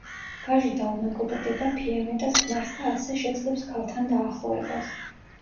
ვაჟი დაუმეგობრდება ფიამეტას ქმარს და ასე შეძლებს ქალთან დაახლოებას.